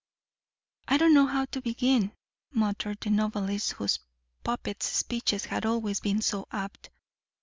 "I don't know how to begin," muttered the novelist whose puppets' speeches had always been so apt.